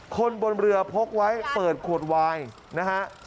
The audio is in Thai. คนบนเรือพกไว้เปิดขวดวายนะฮะ